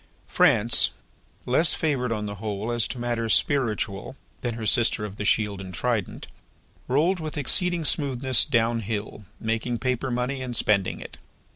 France, less favoured on the whole as to matters spiritual than her sister of the shield and trident, rolled with exceeding smoothness down hill, making paper money and spending it.